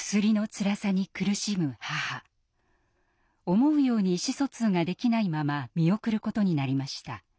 思うように意思疎通ができないまま見送ることになりました。